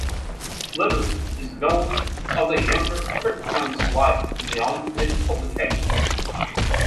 Little is known of the younger Kirkman's life beyond his publications.